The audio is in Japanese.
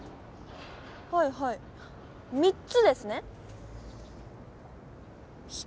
はいはい３つですね！